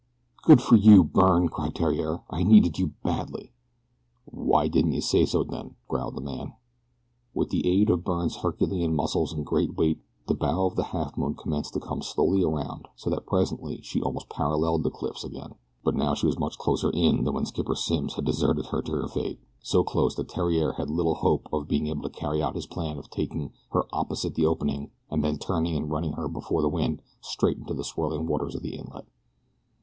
"Good for you, Byrne!" cried Theriere. "I needed you badly." "Why didn't yeh say so den?" growled the man. With the aid of Byrne's Herculean muscles and great weight the bow of the Halfmoon commenced to come slowly around so that presently she almost paralleled the cliffs again, but now she was much closer in than when Skipper Simms had deserted her to her fate so close that Theriere had little hope of being able to carry out his plan of taking her opposite the opening and then turning and running her before the wind straight into the swirling waters of the inlet.